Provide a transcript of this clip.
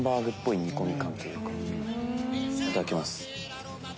いただきます。